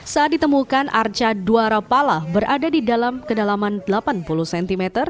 saat ditemukan arca dua rapala berada di dalam kedalaman delapan puluh cm